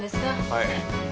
はい。